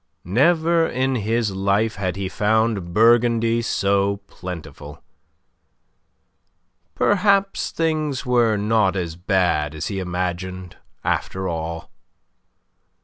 Never in his life had he found Burgundy so plentiful. Perhaps things were not as bad as he imagined, after all.